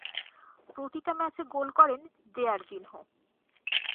প্রতিটা ম্যাচে গোল করেন জেয়ারজিনহো।